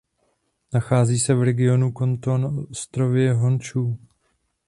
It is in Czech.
Nachází se v regionu Kantó na ostrově Honšú.